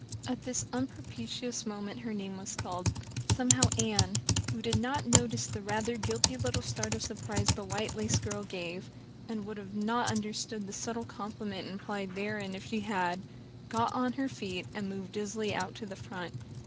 At this unpropitious moment her name was called. Somehow Anne who did not notice the rather guilty little start of surprise the white lace girl gave, and would not have understood the subtle compliment implied therein if she had got on her feet, and moved dizzily out to the front.